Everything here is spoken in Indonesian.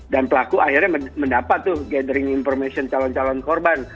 pelaku akhirnya mendapat tuh gathering information calon calon korban